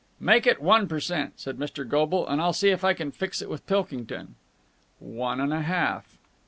"Make it one per cent," said Mr. Goble, "and I'll see if I can fix it with Pilkington." "One and a half."